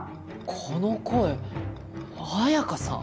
この声綾香さん！？